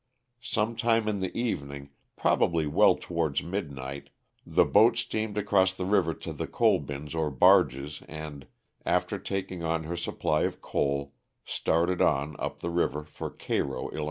Sometime in the evening, probably well towards midnight, the boat steamed across the river to the coal bins or barges and, after taking on her supply of coal, started on, up the river, for Cairo, 111.